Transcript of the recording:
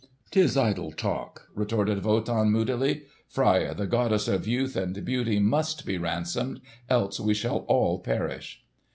"'Tis idle talk," retorted Wotan moodily. "Freia the goddess of youth and beauty must be ransomed, else we shall all perish."